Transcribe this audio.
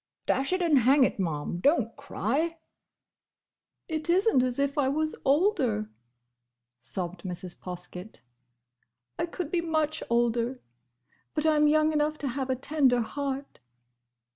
"Dash it and hang it, Ma'am, don't cry!" "It is n't as if I was older," sobbed Mrs. Poskett. "I could be much older! But I'm young enough to have a tender heart!"